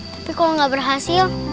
tapi kalau gak berhasil